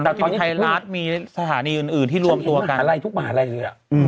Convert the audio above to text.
แต่ตอนนี้ไทยรัฐมีสถานีอื่นอื่นที่รวมตัวกันทุกมหาลัยทุกมหาลัยเลยอ่ะอืม